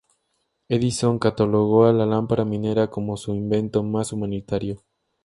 Edison catalogó a la lámpara minera como su invento "más humanitario".